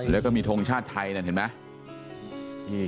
แล้วก็มีทงชาติไทยนั่นเห็นไหม